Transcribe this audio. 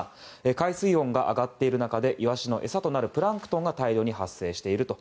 海水温が上がっている中でイワシの餌となるプランクトンが大量に発生していると。